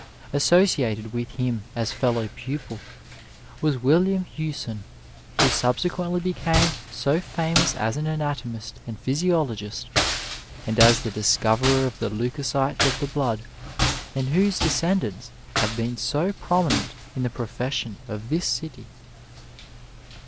Associated with him as fellow pupil was William Hewson, who subsequently became so famous as an anatomist and physiologist, and as the dis coverer of the leucocytes of the blood, and whose descend dants have been so prominent in the profession of this city.